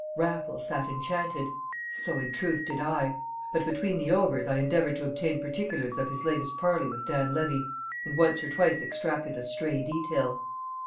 Raffles sat enchanted; so in truth did I; but between the overs I endeavoured to obtain particulars of his latest parley with Dan Levy, and once or twice extracted a stray detail.